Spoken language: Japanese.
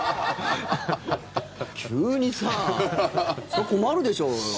急にさ、それは困るでしょ。